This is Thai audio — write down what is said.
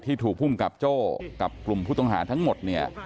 ที่ถูกภูมิกับโจ้กับกลุ่มผู้ตงหาทั้งหมด